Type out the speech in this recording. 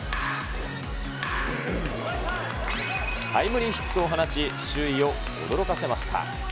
タイムリーヒットを放ち、周囲を驚かせました。